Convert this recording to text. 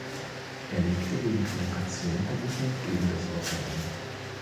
Er legte wegen Provokation Berufung gegen das Urteil ein.